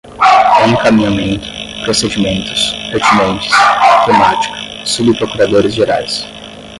encaminhamento, procedimentos, pertinentes, temática, subprocuradores-gerais